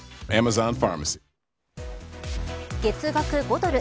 月額５ドル。